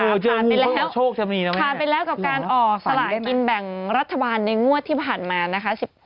ผ่านไปแล้วผ่านไปแล้วกับการออกสลากินแบ่งรัฐบาลในงวดที่ผ่านมานะคะ